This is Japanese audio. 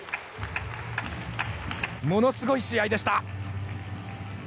ものすごい試合でした。